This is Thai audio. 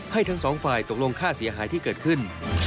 ทั้งสองฝ่ายตกลงค่าเสียหายที่เกิดขึ้น